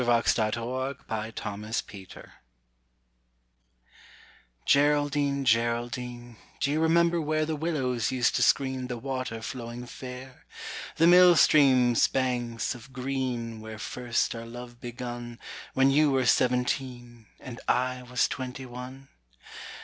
GERALDINE, GERALDINE Geraldine, Geraldine, Do you remember where The willows used to screen The water flowing fair? The mill stream's banks of green Where first our love begun, When you were seventeen, And I was twenty one?